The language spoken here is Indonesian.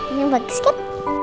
ini bagi skip